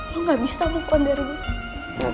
lo gak bisa move on dari gue